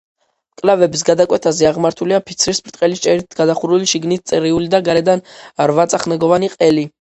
მკლავების გადაკვეთაზე, აღმართულია ფიცრის ბრტყელი ჭერით გადახურული, შიგნით წრიული და გარედან რვაწახნაგოვანი ყელი.